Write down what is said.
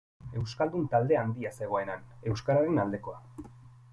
Euskaldun talde handia zegoen han, euskararen aldekoa.